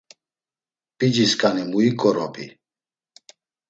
P̆iciskani muik̆orobi!